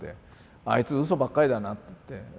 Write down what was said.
「あいつうそばっかりだな」って。